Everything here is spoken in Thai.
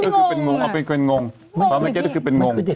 มันคือเด็กรุ่นใหม่ก็เป็นอย่างนี้หรือเปล่า